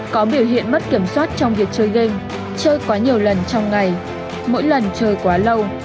có biểu hiện mất kiểm soát trong việc chơi game chơi quá nhiều lần trong ngày mỗi lần trời quá lâu